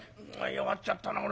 「弱っちゃったな。